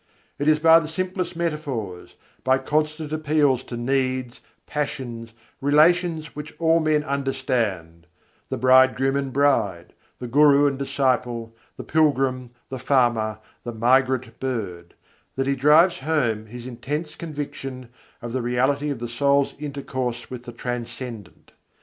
It is by the simplest metaphors, by constant appeals to needs, passions, relations which all men understand the bridegroom and bride, the guru and disciple, the pilgrim, the farmer, the migrant bird that he drives home his intense conviction of the reality of the soul's intercourse with the Transcendent.